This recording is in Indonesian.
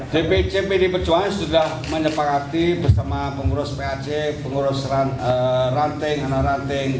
dpc pdi perjuangan sudah menyepak hati bersama pengurus pac pengurus ranting